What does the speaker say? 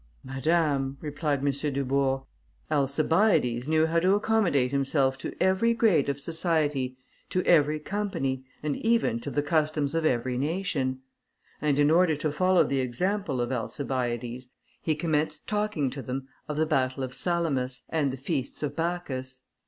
"Madame," replied M. Dubourg, "Alcibiades knew how to accommodate himself to every grade of society, to every company, and even to the customs of every nation;" and in order to follow the example of Alcibiades, he commenced talking to them of the battle of Salamis, and the feasts of Bacchus.